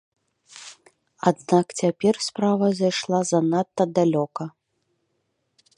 Аднак цяпер справа зайшла занадта далёка.